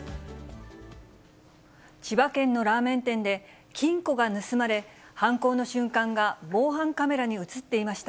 千葉県のラーメン店で、金庫が盗まれ、犯行の瞬間が防犯カメラに写っていました。